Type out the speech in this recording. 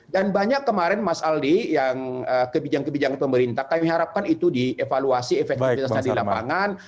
dan banyak kemarin mas aldi yang kebijakan kebijakan pemerintah kami harapkan itu dievaluasi efek kondisi tadi di lapangan